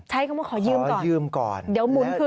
ใช่คำว่าขอยืมก่อนเดี๋ยวหมุนคืน